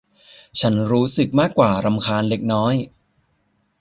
ฉันรู้สึกมากกว่ารำคาญเล็กน้อย